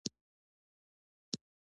زلزله د چا په ګناه او کړنه پورې تړاو نلري.